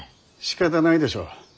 しかたないでしょう。